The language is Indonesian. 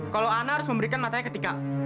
kalau ana harus memberikan matanya ke tika